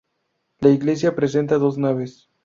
La iglesia presenta dos naves.